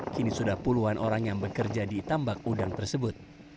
kini sudah puluhan orang yang bekerja di tambak udang tersebut